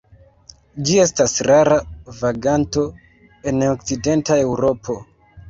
Ĝi estas rara vaganto en okcidenta Eŭropo.